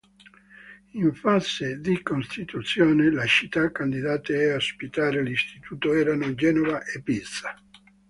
In fase di costituzione, le città candidate a ospitare l'istituto erano Genova e Pisa.